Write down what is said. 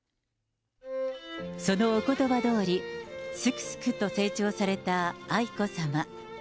そのおことばどおり、すくすくと成長された愛子さま。